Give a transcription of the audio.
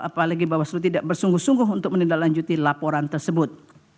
apalagi bawaslu tidak bersungguh sungguh untuk menindaklanjuti laporan tersebut